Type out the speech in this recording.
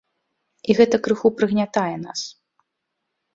І гэта крыху прыгнятае нас.